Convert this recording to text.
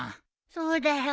そうだよ。